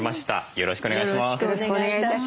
よろしくお願いします。